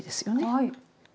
はい。